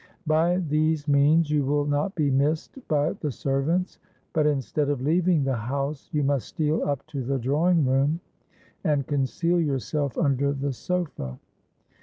By these means you will not be missed by the servants. But, instead of leaving the house, you must steal up to the drawing room, and conceal yourself under the sofa.